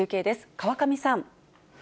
川上さん。